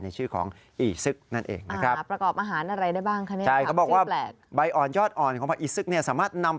ในชื่อของอีซึกนั่นเองนะครับ